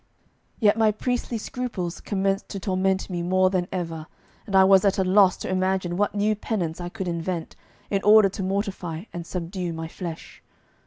Yet my priestly scruples commenced to torment me more than ever, and I was at a loss to imagine what new penance I could invent in order to mortify and subdue my flesh.